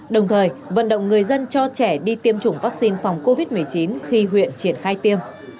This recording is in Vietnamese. đồng thời vận động người dân cho trẻ đi tiêm chủng vaccine phòng covid một mươi chín khi huyện triển khai tiêm